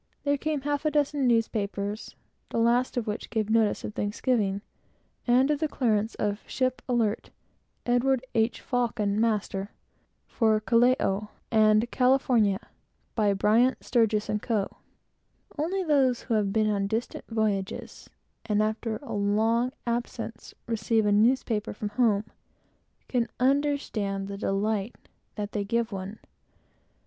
Then came a half a dozen newspapers, the last of which gave notice of Thanksgiving, and of the clearance of "ship Alert, Edward H. Faucon, master, for Callao and California, by Bryant, Sturgis & Co." No one has ever been on distant voyages, and after a long absence received a newspaper from home, who cannot understand the delight that they give one.